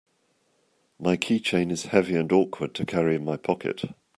My keychain is heavy and awkward to carry in my pocket.